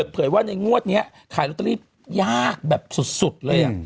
เผยว่าในงวดนี้ขายลอตเตอรี่ยากแบบสุดเลย